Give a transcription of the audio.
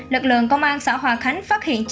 lực lượng công an xã hòa khánh phát hiện